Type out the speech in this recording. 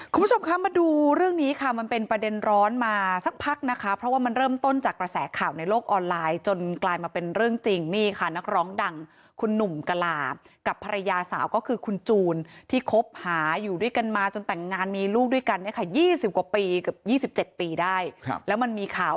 คุณผู้ชมคะมาดูเรื่องนี้ค่ะมันเป็นประเด็นร้อนมาสักพักนะคะเพราะว่ามันเริ่มต้นจากกระแสข่าวในโลกออนไลน์จนกลายมาเป็นเรื่องจริงนี่ค่ะนักร้องดังคุณหนุ่มกลากับภรรยาสาวก็คือคุณจูนที่คบหาอยู่ด้วยกันมาจนแต่งงานมีลูกด้วยกันเนี่ยค่ะ๒๐กว่าปีกับ๒๗ปีได้ครับแล้วมันมีข่าว